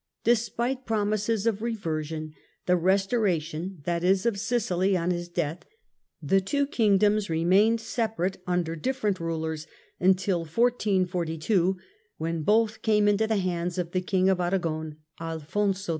Despite promises of reversion, the restoration, that is, of Sicily on his death, the two King doms remained separate under different rulers until 1442, when both came into the hands of the King of Aragon, Alfonso V.